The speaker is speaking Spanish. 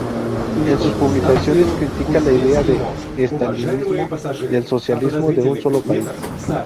En sus publicaciones critica la idea del estalinismo del "socialismo en un sólo país".